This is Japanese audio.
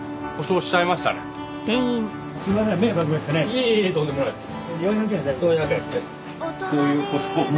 いえいえいえとんでもないです。